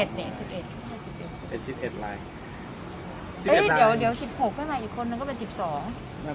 เดี๋ยว๑๖ก็มาอีกคนมันก็เป็น๑๒